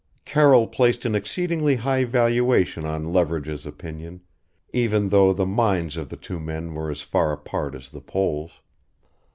Carroll placed an exceedingly high valuation on Leverage's opinion even though the minds of the two men were as far apart as the poles.